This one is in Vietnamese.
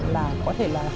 là có thể là